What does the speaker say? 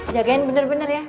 jagain bener bener ya